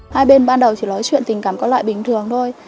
hai bên ban đầu chỉ nói chuyện tình cảm có loại bình thường thôi